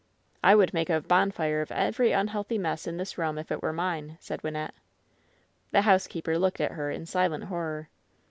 "I would make a bonfire of every unhealthy mess in this room, if it were mine !" said Wynnette. The housekeeper looked at her in silent horror.